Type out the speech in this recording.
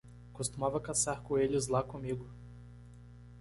Costumava caçar coelhos lá comigo.